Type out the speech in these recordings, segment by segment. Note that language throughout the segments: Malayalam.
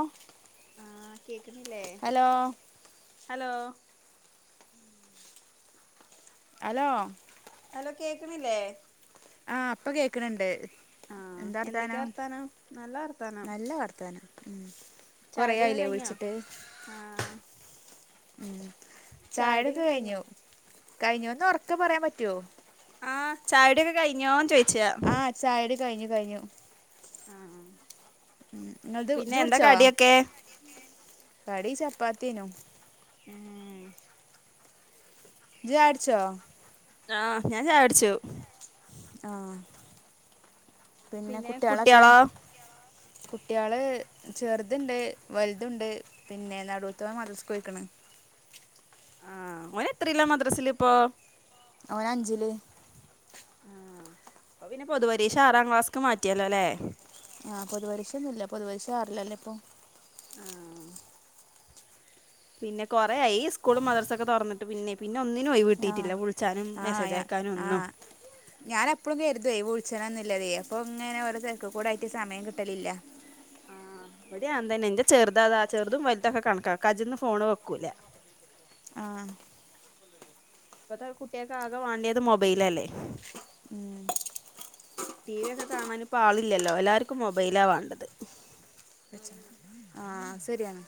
ആഹ് ആഹ് കേക്കണില്ലേ ഹലോ ഹലോ ഹലോ കേക്കണില്ലേ ആഹ് അപ്പ കേക്കണണ്ട് ആഹ് എന്താ എന്തൊക്കെയാ വർത്തനം വർത്താനം നല്ല വർത്താനം നല്ല വർത്തനം ഉ ചായുടിയൊക്കെ കൊറൊയില്ലേ കഴിഞ്ഞോ വിളിച്ചിട്ട് ആഹ് ഉ ചായടൊക്കെ ചായുടിയൊക്കെ കഴിഞ്ഞോ കഴിഞ്ഞു കഴിഞ്ഞുന്ന് ഉറക്കെ പറയാൻ പറ്റുവോ ആഹ് ചായകുടിഒക്കെ കഴിഞ്ഞോ ചോദിക്ക ആഹ് ചായകുടി കഴിഞ്ഞു കഴിഞ്ഞു ആഹ് ഉ ങ്ങളത് പിന്നെ എന്താ കുടിച്ചോ കടിയൊക്കെ കടി ചപ്പാത്ത്യേനു ഉം ജായട്ച്ചോ ആഹ് ഞാൻ ചായ കുടിച്ചു ആഹ് പിന്നെ കുട്ട്യാളെളാ? കുട്ട്യാള് ചെറുതുണ്ട് വലുതു ഉണ്ട് പിന്നെ നടുത്തോൻ മദ്രസ്ക്ക് പോയിക്ണ്. [inaudible] ആഹ് ഓന്എത്രയിലാ മദ്രസിലിപ്പോ? ഓനഞ്ചില് ആഹ് അപ്പൊ പിന്നെ പൊതുപരീക്ഷ ആറാം ക്ലാസ്ക്ക് മാറ്റിയല്ലോല്ലേ. ആഹ് പൊതുപരീശൊന്നുല്ല പൊതുപരിശ ആറില്ലല്ലേ ഇപ്പൊ ആഹ് പിന്നെ കൊറയായി ഈസ്കൂള് മദർസൊക്കെ തുറന്നിട്ട് പിന്നെ പിന്നെ ഒന്നിനും ഒഴിവ് ആഹ് കിട്ടില്ലവിളിച്ചാനും മെസ്സേജ് ആക്കാനും ഒന്നും. ഞാൻ എപ്പളും കർതെ വിളിച്ചണന്നില്ലതേ അപ്പൊ ഇങ്ങനെ ഓരോ തെരക്ക കൂടായിട്ട് സമയം കിട്ടലില്ല. ആഹ് ഇവിടെ [unintelligible] ഇന്റെ ചെറുതാതാ ചെറുതും വലുതൊക്കെ കണക്കാ കജിന്ന് ഫോണ് വെക്കൂലാ ആഹ് ഇപ്പത്തെ കുട്ടികക്കെ ആകെ വാണ്ടിയത് മൊബെലല്ലേ ടി വി ഒക്കെ കാണാനിപ്പോ ആളില്ലല്ലോ എല്ലാർക്കും മൊബെലാ വേണ്ടത് ആഹ് സെരിയാണ്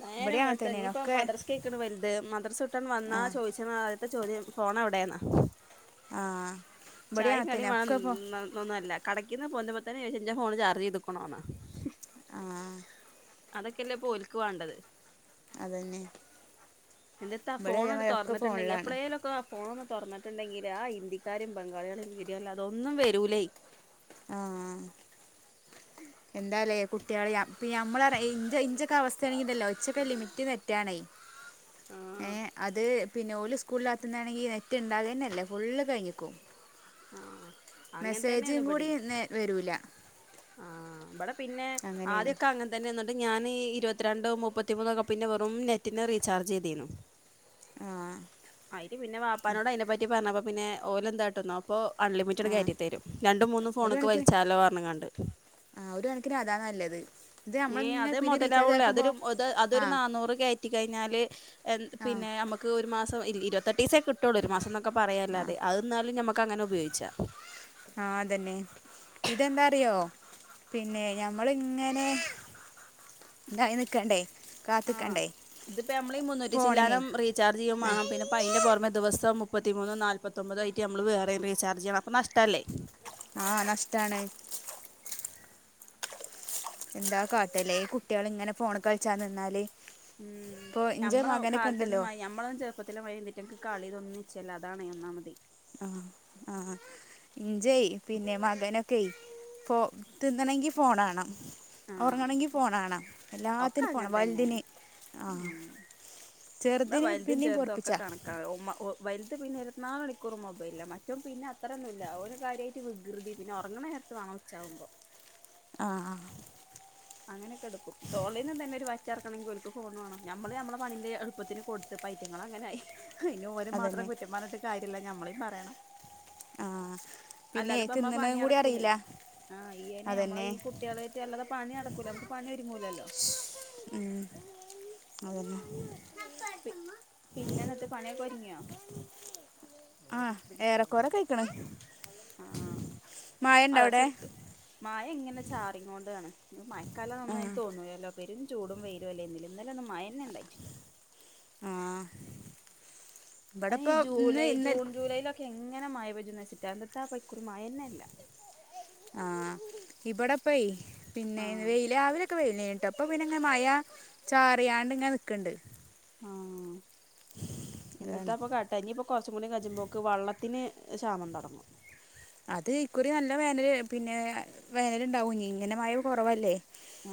നേരം വെൾത്താ ഇനിപ്പം മദ്രസ്ക്കയ്ണ് വലുത് മദ്രസ് വിട്ട് വന്നാ ആഹ് ചോയിച്ച ഒറ്റ ചോദ്യം ഫോണെവടെന്നാ ആഹ് ഇബടേം ചായിം അങ്ങനെ കടിം തന്നെ വേണ ഒക്കെ ഇപ്പൊ [unintelligible] ന്നല്ല കടയ്ക്ക്ന്ന് പോന്നപ്പത്തന്നെ ചോയിച്ച് എന്റെ ഫോണ് ചാർജ് ചെയ്ത്ക്കണോന്നാ ആഹ് അതൊക്കെയല്ലേ പ്പോ ഓൽക്ക് വാണ്ടത് അതന്നെ എന്തിത്താ ആ ഇബടെ ഫോണ് അതേമാതിരി ഒക്കെ തൊർന്ന്ട്ടേണ്ടെങ്കി ഫോണിലാണ് എപ്ലേലോക്ക ആ ഫോണ് തൊർന്ന് ട്ട്ണ്ടെങ്കില് ആ ഹിന്ദിക്കാരും ബംഗാളികളും വിഡിയോ അല്ലാതെ ഒന്നും വരൂലേ ആഹ് എന്താലേ കു [unintelligible] ഇപ്പ് നമ്മളെ റേ ഇഞ്ച് ഇഞ്ചൊക്കെ അവസ്ഥയാണെങ്കിണ്ടല്ലോ ഇച്ചോക്കെ ലിമിറ്റ് നെറ്റാണേ ആഹ് ഏഹ് അത് പിന്നെ ഓല് സ്കൂളിലാത്ത ന്നാണെങ്കിൽ നെറ്റ് ഇണ്ടാകെന്നെല്ല ഫുള്ള് കഴിഞ്ഞിക്കോ ആഹ് അങ്ങൻത്തന്നെയാണ് കൂടി ഇബടേം നേ വരൂല ആഹ് ബടെ പിന്നെ അങ്ങനെയാണ് ആദ്യക്കെ അങ്ങനെ തന്നെന്നു ഞാൻ ഇരുപത്തിരണ്ടോ മുപ്പത്തിമൂന്നോ ഒക്കെ പിന്നെ വെറും നെറ്റിന് റീചാർജ് ചെയ് തിന്നു ആ ആയി ൽ പിന്നെ വാപ്പാനോട് അയിനെ പറ്റി പറഞ്ഞപ്പ പിന്നെ ഓല് എന്താട്ടുന്നോ ഇപ്പോ അൺലിമിറ്റഡ് ആ കേറ്റി തരും രണ്ടും മൂന്നും ഒരു ഫോണൊക്കെ കണക്കിന് വലിച്ചാലോ പറഞ്ഞ്ങ്ങണ്ട് ആ ഒരു കണക്കിന് അതാ നല്ലത് ഇത് ഏ നമ്മളിങ്ങനെ അതേ പിന്നെ റീചാർജ് മുതലാവുള്ളേ ആക്കുമ്പോൾ അതൊരുത് ആ അതൊരു നന്നൂറ് കയറ്റി കഴിഞ്ഞ- ന്നാല് ആ പിന്നെ നമക്ക് ഒരു മാസം ഇരുപത്തെട്ട് ദെവസേ കിട്ടുള്ളൂ ഒരു മാസം ക്കെ ആ പറയുല്ലാതെ അത് എന്നാലും ഞമക്ക് അങ്ങനെ ഉപയോഗിച്ചാം ആഹ അതെന്നെ ഇതെന്താ അറിയോ പിന്നെ ഞമ്മളിങ്ങനെ എന്തായി നിക്കണ്ടേ ആഹ് ഇതിപ്പോ നമ്മള് ഈ മുന്നൂറ്റി ഫോണിന് ചില്ലാനും റീചാർജ് ചെയ്യമാണം പിന്നെപ്പ അന്റെ പുറമെ ദിവസം- മുപ്പത്തിമൂന്നും നാല്പ്പൊമ്പതും ആയിട്ട് നമ്മൾ വേറെയും റീചർജ് ചെയ്യണം അപ്പൊ നഷ്ടവല്ലേ ആഹ നഷ്ടാണ് എന്താ കാട്ട്യല്ലേ കുട്ടികള് ഇങ്ങനെ ഫോണ് കളിച്ചാ നിന്നാല് ഉം നമ്മള് ഉണ്ടല്ലോ കാലത്തൊന്നും മാതിരി നമ്മളൊന്നും ചെറുപ്പത്തില്ല മായിതിരി ഇതിറ്റങ്ങക്ക്- കളി തൊന്നിച്ചല്ല അതാണ് ഒന്നാമതെ ആ ആഹ ഇഞ്ചയ് പിന്നെ മകനൊക്കെയി- ഫോ തിന്നന്നോങ്കി ഫോൺ ആണൊ ഒറങ്ങണൊങ്കി ആഹ് ഫോൺ വാണം ഒക്കെ എല്ലാത്തിനും ഫോൺ അങ്ങനെ തന്നെയാണ് വലുതിന് ആഹ ഉം ഇവിടെ വലുതും ചെറുതും ഒക്കെ കണക്കാ [unintelligible] വലുതിന് - പിന്നെ ഇരുത്തിനാല് മണിക്കൂർ മൊബൈല മറ്റൊൻ പിന്നെ അത്രൊന്നും ഇല്ല ഒരു കാര്യമായിട്ട് വികൃതി പിന്നെ ഉറങ്ങണ നേരത്ത് വേണം മറിച്ചാവുമ്പോൾ ആ ആഹ അങ്ങനെയൊക്കെ എടുക്കും തോളൽ നിന്ന് തന്നെ ഒരു വറ്റ് ഇറക്കണമെങ്കിൽ ഫോൺ വേണം നമ്മള് നമ്മളെ പണിന്റെ എുപ്പത്തിന് കൊടുത്ത്- പൈറ്റങ്ങൾ അങ്ങനെയായി അയിന് ഓനെ മാത്രം അതന്നെ കുറ്റം പറയിട്ട് കാര്യമല്ല ഞമ്മളും പറയണം ആഹ അല്ലാതെ ഇപ്പ നമ്മ പണി നടക്കൂലേ ആ ഈനെ നമ്മളെ അതന്നെ ഈ കുട്ടികളെറ്റ അല്ലാതെ പണി നടക്ക- നമക്ക് പണി ഒരുങ്ങൂലല്ലോ ഉം അതന്നെ പിന്നെ എന്നിട്ട് പണിയൊക്കെ ഒരുങ്ങിയോ ആഹ് ഏറെക്കറെ കേക്കണു ആഹ് മയ ഇണ്ട അവിടെ ചാറിങ്ങ കൊണ്ടാണ് ഇ മയക്കാല ആഹ് ഒന്നന് തോന്നൂല്ലോ പരും ചൂടും വെരും അല്ലേല ഇന്നലെ ഒന്നും മയന്നെ ഉണ്ടായിട് ആഹ് അ ഇവിടെപ്പോ ഇന്ന് ജൂലൈ ഇന്നൽ ജൂൺ ജുലൈ ലെ ഇങ്ങനെ മഴ പജംന്ന് വെച്ചിട്ടാ അന്നത്തെ ആ പക്കുറി മഴ തന്നെയ അല്ല ആ ഇവിടപ്പവെ പിന്നെ ആഹ് വെയ്ലാവയൊക്കെ വെയ്ലനെ പ്പ പിന്ന മഴ ചാ റിണ്ടിങ്ങെ നിൽക്കണ്ട് ആഹ അതാണ് എന്തിട്ടാപ്പൊ കാട്ട ഇപ്പൊ കൊറച്ചും കൂടി കചുമ്പോക്ക് വള്ളത്തിന് ക്ഷാമം തടങ്ങും അത് ഇക്കുറി നല്ല വേനൽ പിന്നെ വേനല്ണ്ടാവും ഇങ്ങനെ മഴവ് കുറവല്ലേ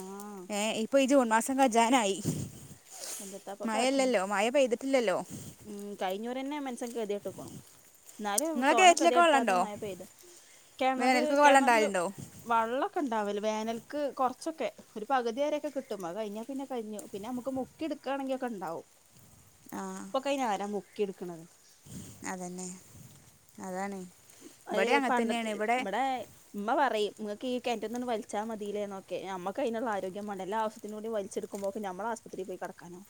ആഹ് ഏ ഇപ്പൊ ഈ ജൂൺ മാസം ഖജാനായി എന്ത്ത്താപ്പൊ കാട്ട്ണ് മയയല്ലല്ലോ മയ പെയ്തിട്ടില്ലല്ലോ ന്നെ മസങ്കക്ക് കതിയായിട്ടോക്കണണം എന്നാലും ഇങ്ങളെ തോനെക്കതി കെയറ്റിലൊക്കെ എടുത്താത്ത വെള്ളണ്ടോ മയ പെയ്ത് കെണര് വേനൽക്കൊക്കെ കെണറില് വെള്ളണ്ടാവല്ണ്ടോ വള്ളം ഒക്കെ ഒണ്ടാവല്. വേനൽക്ക് കൊറച്ചൊക്കെ ഒരു പകുതി വരൊക്കെ കിട്ടും അ കഴിഞ്ഞാൽ പിന്നെ കഴിഞ്ഞു പിന്നെ നമുക്ക് മു മുക്കി എടുക്കയാണെങ്കി ഒക്കെ ഉണ്ടാവും ആഹ് ഇപ്പൊക്കെ അയിനാരാ മുക്കി എടുക്കണത് അതന്നെ അതാണ് ത് ഇബടിം പണ്ടത്തെ അങ്ങൻതന്നേണ് ഇബടെ ഇവിടെ ഉമ്മ പറയും നിങ്ങക്ക് ക എറ്റൊന്നന്ന് വയിച്ചാൽ മതില്ലേ എന്നക്കെ നമക്ക് അതിനുള്ള ആരോഗ്യ വേണേ. എല്ല ആശ്യത്തിനൂടി വയ്ച്ചെടുമ്പോൾ നമ്മ ആശുപത്രിയിക്കാം കടക്കാനോ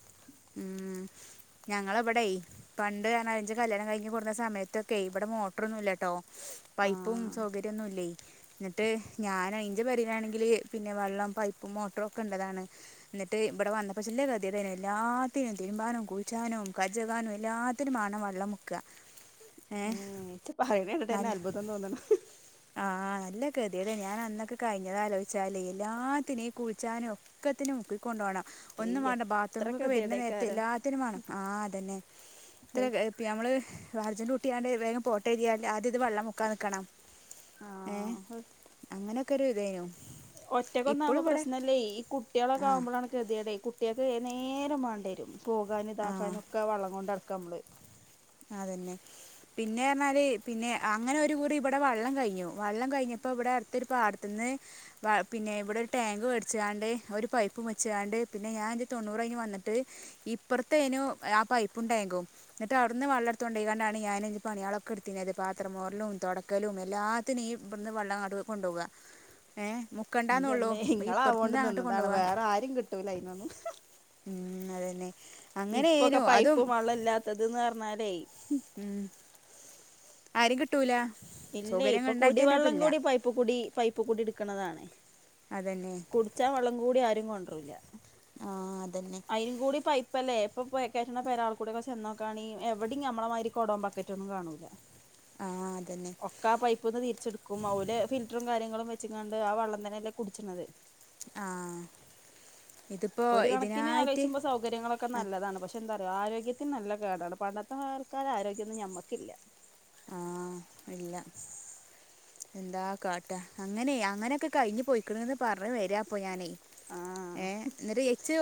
ഉം ഞങ്ങള് വിടെ പണ്ട് ഞ അഞ്ച് കല്യാണം കഴിഞ്ഞ് കുറഞ്ഞ സമയത്തൊക്കെ ഇവിടെ മോട്ടറൊന്നുംല്ലാട്ടോ പൈപ്പും ആഹ് സൗകര്യന്നുംല്ല ന്നിട്ട് ഞാൻ അയിന്റെ പരിയിലാണെങ്കില് പിന്നെ വെള്ളം പൈപ്പും മോട്ടറും ഒക്കെള്ളതാണ് എന്നിട്ട് ഇവിടെ വന്നപ്പോ ചില കതിയെ എല്ലാത്തിനും തീരുമാനം ക ഉച്ചാനവും കജഗാനവും എല്ലാത്തിനുംമാണ് വെള്ളം മുക്കുക ഏ ഇച്ച പറയണ കേണ്ടിട്ട്ന്നെ നല്ല അത്ഭുതം തോന്നണം ആഹ് നല്ല കതിയട ഞാൻന്നൊക്കെ ക പിഞ്ഞതലോചിച്ചാൽ എല്ലാത്തിനെയും കുഴിച്ചാനും ഒക്കത്തിനും മുക്കിക്ക കൊണ്ടുപോകണം ഒന്നും ഏയ് വേണ്ട എത്ര ബാത്റൂമൊക്കെ വരുന്ന നേരത്തെ ഗതികേടേക്കാരം എല്ലാത്തിനും വേണം ആ അതന്നെ ഇത്ര ഞമ്മള് വർജന്റ് കൂട്ടിയാണ്ട് വേഗം പോട്ട എരിയാല ആദ്യം ഇത് വെള്ളം മുക്കാൻ നിക്കണം ഏർ ആഹ് അങ്ങനെയൊക്കെ ഒരു ഇതായിനു ഒറ്റക്ക ഒന്നാകുമ്പോ പ്രശ്നമല്ലേ ഈ കുട്ടികളൊക്കെ ആഹ് ആകുമ്പോഴാണ് കൃതിട കുട്ടികൊക്കെ നേര വേണ്ട വരും പോകാനും ആഹ് ഇതാക്കാനും ഒക്കെ വള്ളം കൊണ്ട്ടക്കാം നമ്മള് അതന്നെ പിന്നെ പറഞ്ഞാല് പിന്നെ അങ്ങനെ ഒരു കുറി ഇവിടെ വെള്ളം കഴിഞ്ഞു വെള്ളം കഴിഞ്ഞ പ്പോൾ ഇവിടെ അടുത്തൊരു പാടത്ത്ന്ന് പിന്നെ ഇവിടെ ഒരു ടാങ്ക് മേടിച്ചാണ്ട് ഒരു പൈപ്പ് മുച്ചാണ്ട് പിന്നെ ഞാൻ എൻ്റെ തൊണ്ണൂറ് കഴിഞ്ഞ് വന്നട്ട് ഇപ്പറത്തെന് ആ പൈപ്പും ടാങ്കും എന്നിട്ട് അവിടന്ന് വെള്ളം എടുത്ത് കൊണ്ടൊണ്ടാണ് ഞാൻ പണിളക്കെ എടുത്തിത് പാത്രമോറലും തൊടക്കലും എല്ലാത്തിനും ഈ വെള്ളംങ്ങാട്ട് കൊണ്ടുപോകുക ഏഹ് മുക്കണ്ടാന്നേ ഉള്ളു ഇന്റമ്മേ ഇപ്പുറത്ത് ഇങ്ങളാവോണ്ട് നിന്ന് അങ്ങോട്ട് കൊണ്ടു നിന്നതാണ് പോവാ വേറെ ആരും കിട്ടൂല അയിനൊന്നും മ്മ് അതന്നെ ഇപ്പൊക്കെ അങ്ങനെയേനു പൈപ്പു വള്ളം ഇല്ലാത്തത് പറഞ്ഞാലേ മ്മ് ആരെം കിട്ടൂല ഇല്ലേ സൗകര്യങ്ങൾ ഇപ്പൊ ഉണ്ടായിട്ട് തന്നെ അപ്പം കുടിവെള്ളം ഇല്ല കൂടി പൈപ്പ് കൂടി പൈപ്പ് കൂടി എടുക്കണതാണ് അതന്നെ കുടിച്ചാ വള്ളം കൂടി ആരും കൊണ്ടരൂല ആ അതന്നെ അയിനും കൂടി പൈപ്പല്ലേ ഇപ്പൊ പെരെൽക്കൂടെക്കെ ചെന്നോക്കയാണെങ്കിൽ എവിടയും നമ്മളമാരി കൊടൊം ബക്കറ്റൊന്നും കാണൂല ആ അതന്നെ ഒക്കെ ആ പൈപ്പ് ഒന്ന് തിരിച്ചെടുക്കും അവല് ഫിൽറ്ററും കാര്യങ്ങളും വെച്ചങ്ങാണ്ട് ആ വെള്ളം തന്നെയല്ലേ കുടിച്ചിണത് ആ ഇതിപ്പോൾ ഒരു കണക്കിന് ഇതിനായിട്ട് ആലോചിച്ചുമ്പോ സൗകര്യങ്ങളൊക്കെ ആ നല്ലതാണ് പക്ഷെ എന്താ ആരോഗ്യത്തിന് നല്ല കേടാണ് പണ്ടത്തെ ആൾക്കാരെ ആരോഗ്യമൊന്നും ഞമ്മക്കില്ല ആ ഇല്ല എന്താ കാട്ടാ അങ്ങനെ അങ്ങനെയൊക്കെ കഴിഞ്ഞ് പോയിക്കണന്ന് പറ അങ്ങനെ വരാ ഞാന് ആഹ് എന്നട്ട് ഇച്ച്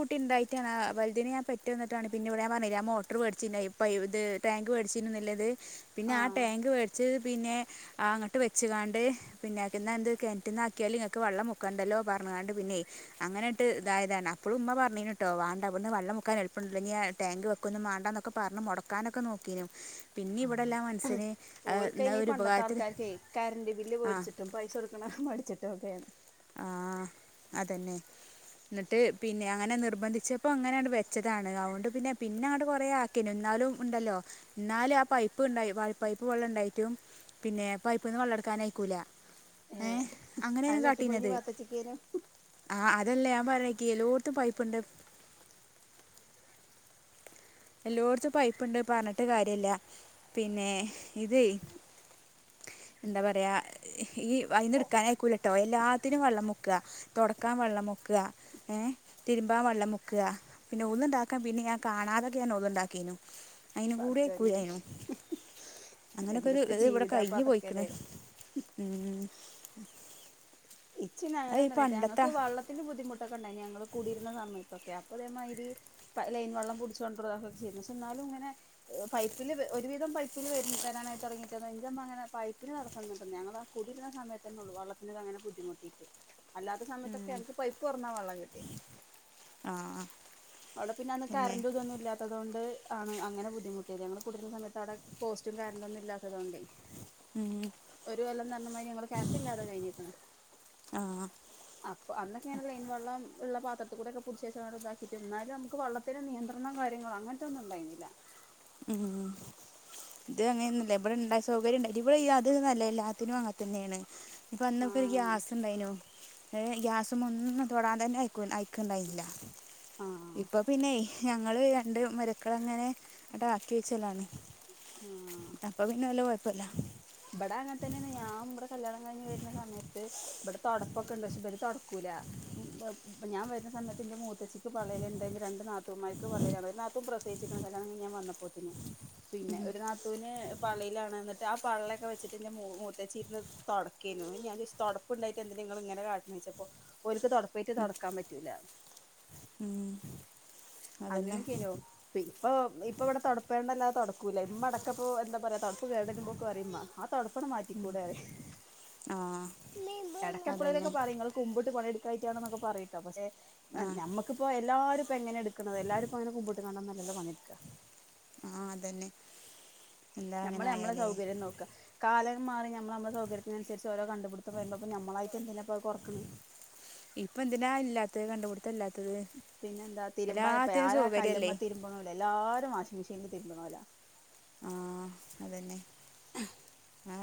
കു ട്ടിണ്ടായിട്ടാണ് ആ വലുതിനെ ഞാൻ പെറ്റ് വന്നിട്ടാണ് പിന്നെ ഇവിടെ ഞാൻ പറഞ്ഞില്ല മോട്ടർ മേടിച്ചെനു ഇപ്പോ ഇത് ടാങ്ക് മേടിച്ചിനു പിന്നെ ആ ആഹ് ടാങ്ക് മേടിച്ച് പിന്നെ അങ്ങോട്ട് വെച്ചുകാണ്ട് പിന്നേക്കന്ന എന്ത് കിണറ്റിൽന്ന ആക്കിയാലും നിങ്ങൾക്ക് വെള്ളം മുക്കണ്ടല്ലോ പറഞ്ഞു ണ്ട് പിന്നെ അങ്ങനെട്ട് ഇതായതാണ് അപ്പോഴും ഉമ്മ പറീന് കേട്ടോ വാണ്ട ഇവിടുന്ന് വെള്ളം മുക്കാൻ എളുപ്പം ഉണ്ടല്ലോ ടാങ്ക് വെക്കുന്നു വേണ്ടന്നൊക്കെ പറഞ്ഞ് മുടക്കാനൊക്കെ നോക്കീനു പിന്നെ ആഹ് ഇവിടെല്ലാം മനുസ്യന് ഏഹ് ഓൽക്ക് ന്നാ അയ്ന് ഈ ഒരു പണ്ടത്തെ ഉപകാരത്തിന് ആൾക്കാർക്കെ ആഹ് ആഹ് മടിച്ചിട്ട് ഒക്കെയാണ് ആഹ് അതെന്നെ എന്നിട്ട് പിന്നെ അങ്ങനെ നിർബന്ധിച്ചപ്പോ അങ്ങനെ അങ്ങട് വെച്ചതാണ് അതുകൊണ്ട് പിന്നെ പിന്നെ അങ്ങടെ കൊറെ ആക്കീനു എന്നാലും ഇണ്ടല്ലോ എന്നാലും ആ പൈപ്പി പൈപ്പ് ഇണ്ടായി ആ പൈപ്പ് വെള്ളം ഉണ്ടായിട്ടും പിന്നെ പൈപ്പ് നിന്ന് വെളള് എടുക്കാനായിക്കൂല ഏ ഏഹ് അങ്ങനെയും അത് കാട്ടി കെട്ടിപ്പോയിഞ്ഞ് പാത്തച്ചിക്കേനു ആഹ് അതല്ലേ ഞാൻ പറഞ്ഞിക്കി എല്ലോടത്തും പ്പ്ണ്ട് എല്ലോടത്തും പൈപ്പുണ്ട് പറഞ്ഞിട്ട് കാര്യല്ല പിന്നെ ഇതെ എന്താ പറയ ഈ അയിന്ന് എടുക്കാന് ആയിക്കൂലട്ടോ എല്ലാത്തിനും വെള്ളം മുക്കുക തൊടക്കാൻ വെള്ളം മുക്കുക ഏഹ് തിരുമ്പാൻ വെള്ളം മുക്കുക പിന്നെ ഒള് ഉണ്ടാക്കാൻ പിന്നെ ഞാൻ കാണാതൊക്കെ ഞാൻ ഒന്ന് ഉണ്ടാക്കീനു അയിന് പടച്ചോനെ കൂടെക്കൂയിനു അങ്ങനെയൊക്കെ ഒരു എന്ത്‌ത്തെ ഇവിടെ ജീവിതാപ്പ കഴിഞ്ഞു അതൊക്കെല്ലേ പോയിക്കണ് മ്മ് ഇച്ചി അങ്ങെനെ ഒന്നുല്ലാട്ടോ ഞങ്ങൾക്ക് വള്ളത്തിന്റെ ബുദ്ധിമുട്ടൊക്കെ ഇണ്ടായിന് ഞങ്ങൾ കൂടിയിരുന്ന സമയത്തൊക്കെ അപ്പൊ അതേമാതിരി ലൈൻ വെള്ളം പിടിച്ചുകൊണ്ടിതൊക്കെ ചെയ്യരുന്നു പക്ഷെ എന്നാലും ഇങ്ങനെ പൈപ്പിൽ ഒരുവിധം പൈപ്പിൽ വ വരാനായി തുടങ്ങിയിട്ട്ന്നഇന്റമ്മ അങ്ങനെ പൈപ്പിന് തടസംന്നിണ്ട ഞങ്ങള് ആ കുടി വരുന്ന സയത്തന്നെ ഉള്ളു വെള്ളത്തിനൊക്കെ അങ്ങനെ ബുദ്ധിമുട്ടീട്ട് അല്ലാത്ത സയത്തൊക്കെ ഉം. ങ്ങക്ക് പൈപ്പ് തൊറന്നാ വെള്ളം കിട്ടും ആ അവിടെ പിന്നെ അന്ന് കറൻ്റും ഇതൊന്നും ഇല്ലാത്തതുകൊണ്ട് ആണ് അങ്ങനെ ബുദ്ധിമുട്ടിയത് ഞങ്ങള് കൂടിയിരുന്ന സമയത്തവിടെ പോസ്റ്റും കാര്യങ്ങളൊന്നും ഇല്ലാത്തത് കൊണ്ടേ ഉം. ഒരു കൊല്ലം ന്ന് പറഞ്ഞ മാതി ഞങ്ങള് കരണ്ടില്ലാതെ കഴിഞ്ഞിക്കണ് ആ അപ്പൊ അന്നൊക്കെലൈൻ വെള്ളം ഇ ഒള്ള പാത്രം ത്ത് കൂടെ ഒക്കെ പുടിച്ച് വച്ച് ഇതാക്കിട്ടും എന്നും നമുക്ക് വെള്ളത്തിന് നിയന്ത്രണം കാര്യങ്ങളോ അങ്ങനത്തെ ഒന്നും ഉണ്ടായിരുന്നില്ല ഉം ഇത് അങ്ങനൊന്നുംല്ല ഇവിടെ ഇണ്ടായ സൗകര്യ ഇണ്ട ഇവ്ടെ ഈ അത് ന്നല്ല എല്ലാത്തിനും അങ്ങനെ തന്നെയാണ് ഇപ്പൊ അന്നൊക്കെ ആഹ് ഗ്യാസ്സുണ്ടായ്നു ഏ ഗ്യാസുമൊന്നും തൊടാൻ തന്നെ ആയിക്കൂല ആയ് കണ്ടായില്ല ആഹ് ഇപ്പൊ പിന്നെ ഞങ്ങള് രണ്ട് മരുവക്കളങ്ങനെ അട്ടാ ബാക്കി വെച്ചലാണ് അപ്പ പിന്നെ വല്ല്യ കൊഴപ്പില്ല ബ്ടെ അങ്ങൻതന്നേണ് ഞാമ്പ്ടെ കല്യാണം കഴിഞ്ഞ് വരുന്ന സമയത്ത് ഇബ്ടെ തൊടപ്പൊക്കെണ്ട് പക്ഷെ ബര് തൊടക്കൂല പ്പ പി ഞാൻ വരന്ന സമയത്തിന്റെ മൂത്തേച്ചിക്ക് പള്ളേല്ണ്ടാര്ന്ന് രണ്ട് നാത്തൂൻമാരിക്ക് പള്ളേലാണ് ഒരു നാത്തും പ്രസേച്ചേക്കണ് കല്യാണങ്കയ്ഞ്ഞ് ഞാൻ വന്നപ്പോത്തേന് പിന്നെ ഒരു നാത്തൂന് പള്ളേലാണ് എന്നിട്ട് ആ പള്ളൊക്കെവെച്ചിട്ട് ൻ്റെ മൂ മൂത്തേച്ചിരുന്ന് തൊടയ്ക്കാരുന്നു. ഞാൻ ചോയ്ച് തൊടപ്പ്ണ്ടായ്ട്ട് എന്തിനാ ഇങ്ങളിങ്ങനെ കാട്ടണേ ചോയ്ച്ചപ്പോ ഓര്ക്ക് തൊടപ്പയിട്ട് തൊടക്കാൻ പറ്റൂലാന്ന് ഊം അങ്ങനൊക്കെ അയ്നു പി ഇപ്പൊ ഇപ്പ ഇവിടെ തടപ്പേണ്ടല്ലാതെ തൊടക്കൂല ഇമ്മ അടക്കപ്പോ എന്താ പറയ്യാ തൊടപ്പ് കേടക്ക്മ്പ്പറയ്ഉമ്മ ആ തൊടപ്പ് ന്ന് മാറ്റിക്കൂടേറയും ആഹ് എടക്കെപ്പഴേലുക്കെ പറയും ഇങ്ങള് കുമ്പിട്ട് പണിയെടു കായ്റ്റാണെന്നൊക്കെ പറയിട്ടാ പശ്ശെ ആ ഞമ്മക്കിപ്പൊ എല്ലാരുപ്പെങ്ങനേടുക് ടുക്കണത് എല്ലാരുംപ്പങ്ങനെ കുമ്പിട്ട് നിന്നോണ്ടൊന്നല്ലല്ലൊപണിയെടുക്കാ ആ അതന്നെ എന്താ അങ്ങനെ ഞമ്മള് ഞമ്മളെ ആയാലേ സൗകര്യം നോക്കാ കാലം മാറി നമ്മളമ്മെളെ സൗകര്യത്തിനുസരിച്ച് ഓരോ കണ്ടപിടുത്തംവരുമ്പോ അപ്പ നമ്മളായിട്ടെന്തിനി കൊറക്കണ് ഇപ്പൊ എന്തിനാ ഇല്ലാത്തത് കണ്ട്പിടി പിന്നെ എന്താ തിരുമ്പാൻ ഇപ്പ ആരാ കല്ല്മ്മ സൗകര്യമല്ലേ തിരുമ്പണോല്ലോ എല്ലാരും വാശി മെഷീനില് തിരുമ്പണോലാ ആ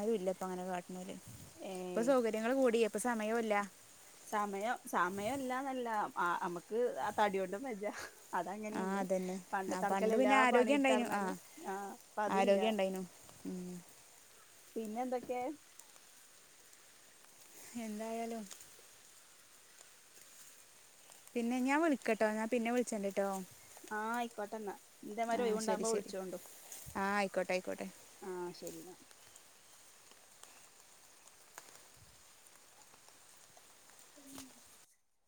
ആരുവില്ലപ്പ അങ്ങനെ കാട്ടണോല് ഇപ്പൊ ഏയ് സൗകര്യങ്ങള് കൂടി ഇപ്പൊ സമയോല്ല സമയം സമയംല്ലാന്നല്ല ആ അമുക്ക് ആ തടിയൊണ്ടും വജ്ജാ അത് ആ ത്ങ്ങനെയുണ്ട് അതന്നെ ആ പണ്ടത്തെ പണ്ട് പിന്നെ ആള്ക്കലെല്ലാം പണി ആരോഗ്യം ഉണ്ടായിനു ആ എടുത്താർന്നാലും ആഹ് പ്പ അതില്ല ആരോഗ്യം ഉണ്ടായിനു ഉം പിന്നെന്തൊക്കെയാ എന്തായാലും പിന്നെ ഞാൻ വിളിക്കട്ടോ ഞാൻ പിന്നെ വിളിച്ചണ്ടിട്ടോ ആഹ് ആയിക്കോട്ടെന്നാ ഇന്തമാരിയൊവൊണ്ടാവകുമ്പോ ഒഴിച്ചോണ്ടു കോട്ടായ്ക്കൊട്ടെ